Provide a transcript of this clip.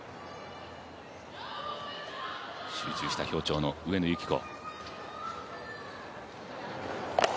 集中した表情の上野由岐子。